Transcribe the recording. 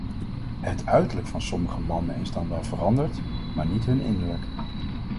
Het uiterlijk van sommige mannen is dan wel veranderd, maar niet hun innerlijk.